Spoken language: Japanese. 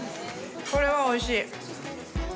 これは、おいしい。